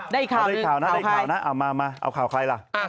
ได้อีกข่าวนิดนึง